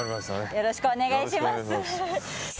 よろしくお願いします。